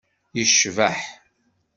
Yecbeḥ.